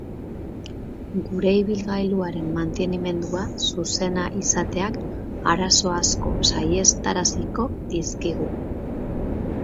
Gure ibilgailuaren mantenimendua zuzena izateak arazo asko saihestaraziko dizkigu.